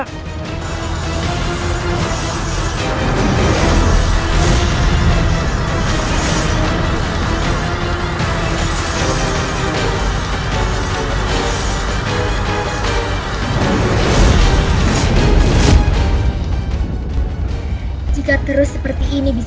t negara pad ihmatic